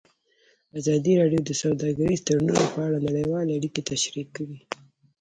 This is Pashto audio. ازادي راډیو د سوداګریز تړونونه په اړه نړیوالې اړیکې تشریح کړي.